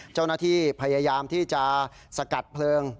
เจ้าหน้าที่พยายามที่จะสกัดเพลิง